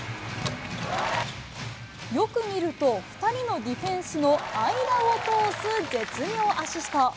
よく見ると、２人のディフェンスの間を通す、絶妙アシスト。